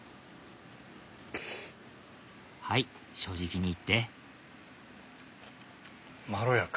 はい正直に言ってまろやか。